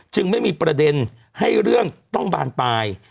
ไม่มีประเด็นให้เรื่องต้องบานปลาย